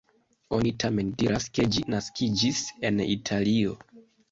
Oni tamen diras ke ĝi naskiĝis en Italio.